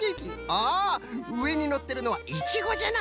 ああうえにのってるのはイチゴじゃな。